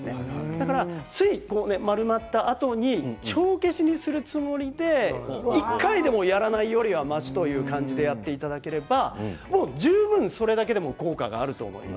だからつい、丸まったあとに帳消しにするつもりで１回でもやらないよりはましという感じでやっていただければ十分それだけでも効果があると思います。